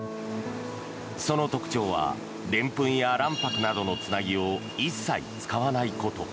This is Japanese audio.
その特徴はでんぷんや卵白などのつなぎを一切使わないこと。